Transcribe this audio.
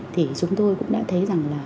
thì chúng tôi cũng đã thấy rằng là